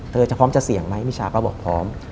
เธอจะพร้อมจะเสี่ยงไหมมิชาก็บอกพร้อม